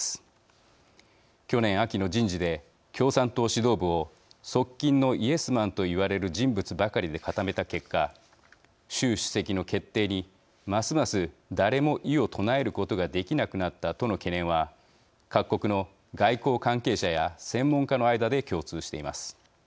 去年秋の人事で共産党指導部を側近のイエスマンと言われる人物ばかりで固めた結果習主席の決定にますます誰も異を唱えることができなくなったとの懸念は各国の外交関係者や専門家の間で共通しています。